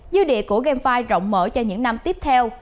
dư địa của game rộng mở cho những năm tiếp theo